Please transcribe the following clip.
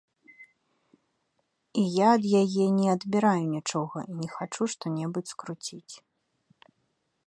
І я ад яе не адбіраю нічога і не хачу што-небудзь скруціць.